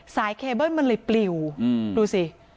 เคเบิ้ลมันเลยปลิวดูสิ